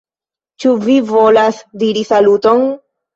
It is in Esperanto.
Ĉu vi volas diri saluton?